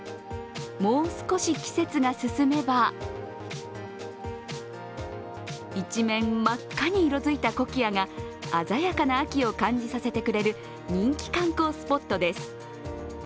もう少し季節が進めば一面真っ赤に色づいたコキアが鮮やかな秋を感じさせてくれる人気観光スポットです。